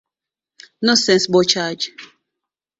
No sensible charge.